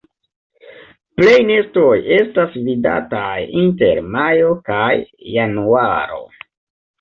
Plej nestoj estas vidataj inter majo kaj januaro.